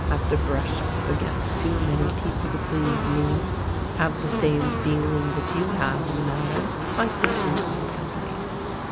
Have to brush up against too many people to please me. Have the same feeling that you have in the matter. Like to choose my company.